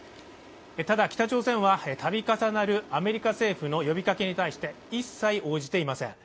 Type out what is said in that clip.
ただ、北朝鮮は度重なるアメリカ政府の呼びかけに対して一切応じていません。